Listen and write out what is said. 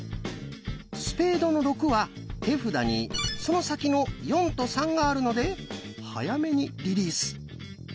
「スペードの６」は手札にその先の「４」と「３」があるので早めにリリース。